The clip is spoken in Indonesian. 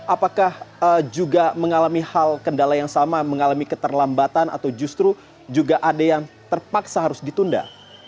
apakah juga mengalami hal kendala yang sama mengalami keterlambatan atau justru juga ada yang terpaksa harus ditunda